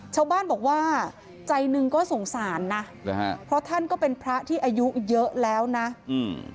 ชาวบ้านบอกว่าใจหนึ่งก็สงสารนะหรือฮะเพราะท่านก็เป็นพระที่อายุเยอะแล้วนะอืม